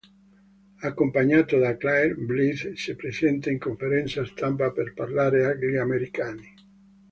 Accompagnato da Claire, Blythe si presenta in conferenza stampa per parlare agli americani.